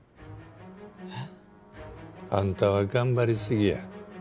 えっ？あんたは頑張りすぎや。